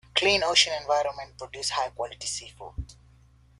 Clean ocean environments produce high quality seafoods.